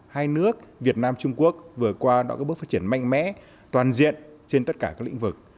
hai nước việt nam trung quốc vừa qua đã có bước phát triển mạnh mẽ toàn diện trên tất cả các lĩnh vực